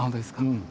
うん。